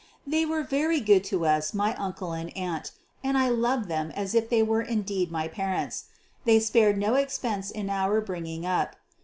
They were very good to us, my uncle and aunt, and I loved them as if they were indeed my parents. They spared no expense in our bringing up.